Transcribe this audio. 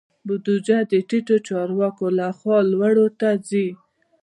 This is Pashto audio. بودیجه د ټیټو چارواکو لخوا لوړو ته ځي.